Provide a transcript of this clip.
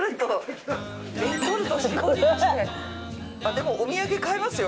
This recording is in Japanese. でもお土産買えますよ。